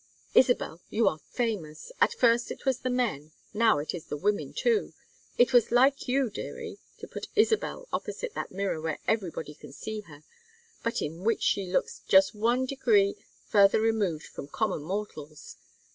"Isabel, you are famous. At first it was the men. Now it is the women too. It was like you, dearie, to put Isabel opposite that mirror where everybody can see her, but in which she looks just one decree further removed from common mortals.